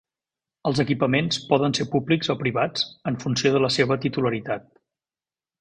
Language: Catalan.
Els equipaments poden ser públics o privats en funció de la seva titularitat.